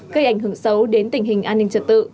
gây ảnh hưởng xấu đến tình hình an ninh trật tự